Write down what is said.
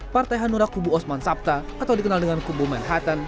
partai hanura kubu osman sabta atau dikenal dengan kubu manhattan